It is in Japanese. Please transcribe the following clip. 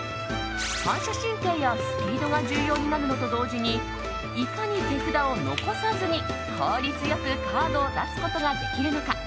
反射神経やスピードが重要になるのと同時にいかに手札を残さずに、効率よくカードを出すことができるのか。